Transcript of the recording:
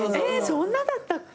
そんなだったっけ？